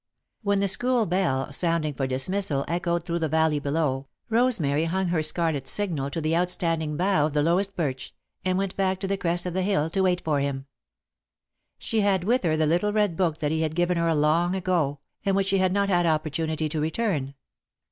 When the school bell, sounding for dismissal, echoed through the valley below, Rosemary hung her scarlet signal to the outstanding bough of the lowest birch, and went back to the crest of the hill to wait for him. She had with her the little red book that he had given her long ago, and which she had not had opportunity to return.